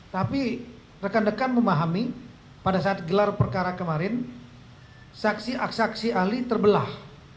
tapi rekan rekan memahami pada saat gelar perkara kemarin saksi aksaksi ahli terbelah